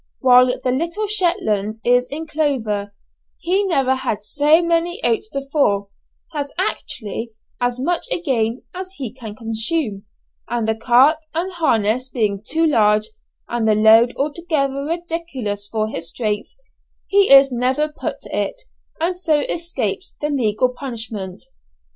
While the little Shetlander is in clover; he never had so many oats before has actually as much again as he can consume and the cart and harness being too large, and the load altogether ridiculous for his strength, he is never put to it, and so escapes the legal punishment.